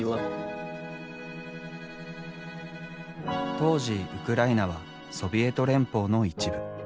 当時ウクライナはソビエト連邦の一部。